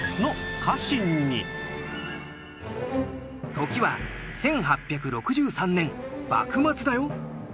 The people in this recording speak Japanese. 時は１８６３年幕末だよ。